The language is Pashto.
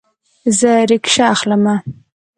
زه ریکشه اخلمه